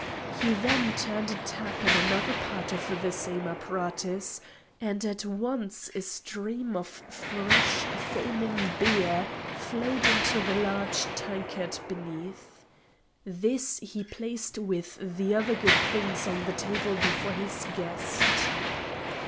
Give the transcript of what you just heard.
He then turned a tap in another part of the same apparatus, and at once a stream of fresh foaming beer flowed into a large tankard beneath. This he placed with the other good things on the table before his guest.